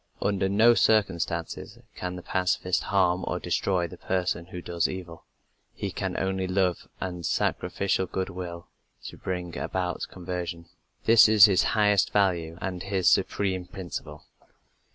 Under no circumstances can the pacifist harm or destroy the person who does evil; he can use only love and sacrificial goodwill to bring about conversion. This is his highest value and his supreme principle.